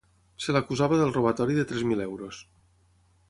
Se l'acusava del robatori de tres mil euros.